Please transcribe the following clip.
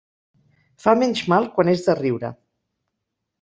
Fa menys mal quan és de riure.